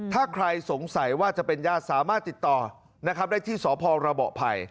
ถ้าใครสงสัยว่าจะเป็นญาติสามารถติดต่อได้ที่สพระภ